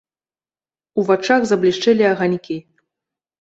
У вачах заблішчэлі аганькі.